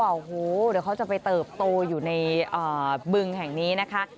โอ้โหเดี๋ยวเขาจะไปเติบโตอยู่ในบึงแห่งนี้นะคะ